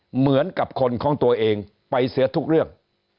เหมือนกับคนของตัวเองไปเสียทุกเรื่อง